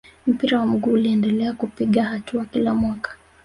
mpira wa miguu uliendelea kupiga hatua kila mwaka